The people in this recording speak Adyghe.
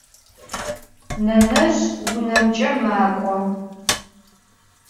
Nenezj vunemç'e mak'o.